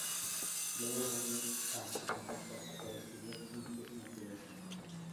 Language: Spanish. Luego vuelve a Comillas para estudiar Ciencias Naturales.